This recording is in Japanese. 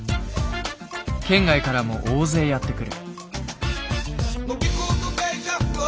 県外からも大勢やって来る。